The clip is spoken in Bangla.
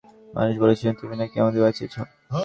মানুষ বলেছিল, তুমি নাকি আমাদের বাঁচিয়েছ।